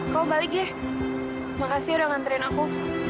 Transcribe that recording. kau balik ya makasih udah nganterin aku